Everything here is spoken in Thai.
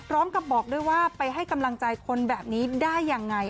บอกด้วยว่าไปให้กำลังใจคนแบบนี้ได้ยังไง